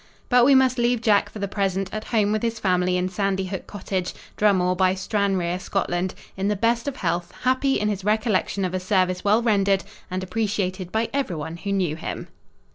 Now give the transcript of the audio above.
But we must leave Jack for the present at home with his family in Sandy Hook Cottage, Drummore by Stranraer, Scotland, in the best of health, happy in his recollection of a service well rendered and appreciated by every one who knew him.